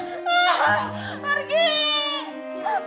baik pak batal balik ke rumah